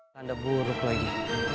tanda buruk lagi